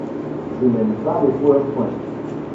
Je n’aime pas les powerpoint.